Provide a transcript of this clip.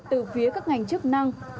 từ phía các ngành chức năng